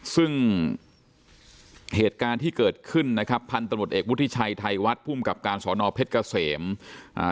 ซึ่งเหตุการณ์ที่เกิดขึ้นนะครับพันตรวจเอกวุฒิชัยไทยวัดภูมิกับการสอนอเพชรเกษมอ่า